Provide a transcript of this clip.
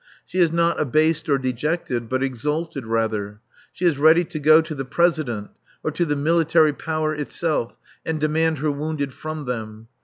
She is not abased or dejected, but exalted, rather. She is ready to go to the President or to the Military Power itself, and demand her wounded from them.